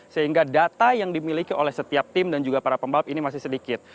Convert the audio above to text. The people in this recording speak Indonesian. sehingga data yang dimiliki oleh setiap tim dan juga para pembalap ini masih sedikit